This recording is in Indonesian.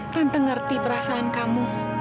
tante ngerti perasaan kamu